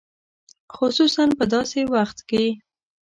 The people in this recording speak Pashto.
خصوصاً په داسې وخت کې.